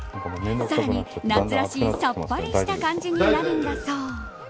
更に、夏らしいさっぱりした感じになるんだそう。